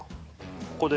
ここで。